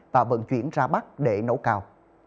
và vận chuyển ra bắc để nấu cào